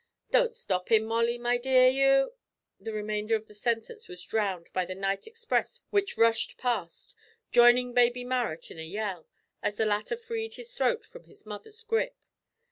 "Don't stop him, Molly, my dear; you " The remainder of the sentence was drowned by the night express which rushed past, joining baby Marrot in a yell, as the latter freed his throat from his mother's grip.